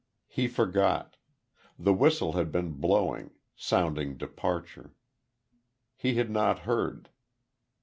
He forgot.... The whistle had been blowing, sounding departure. He had not heard.